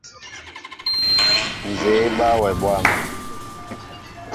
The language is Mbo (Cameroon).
Nzѐe eba wɛ bwȃm.